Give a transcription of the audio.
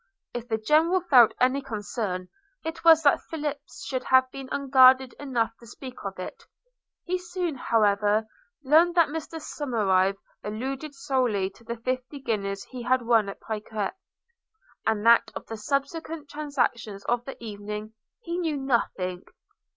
If the General felt any concern, it was that Philip should have been unguarded enough to speak of it. He soon, however, learned that Mr Somerive alluded solely to the fifty guineas he had won at piquet, and that of the subsequent transactions of the evening he knew nothing.